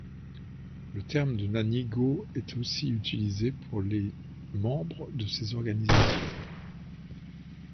Le terme de Ñáñigo est aussi utilisé pour les membres de ces organisations.